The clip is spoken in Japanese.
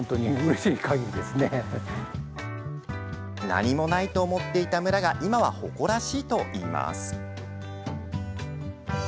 何もないと思っていた村が今は誇らしいといいます。